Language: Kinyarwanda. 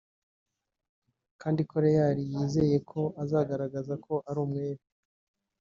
kandi ko Real yizeye ko azagaragaza ko ari umwere